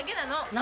何？